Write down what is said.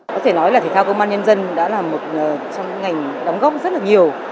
có thể nói là thể thao công an nhân dân đã là một trong những ngành đóng góp rất là nhiều